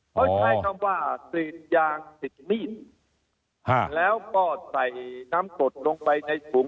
เขาใช้คำว่ากรีดยางติดมีดแล้วก็ใส่น้ำกดลงไปในถุง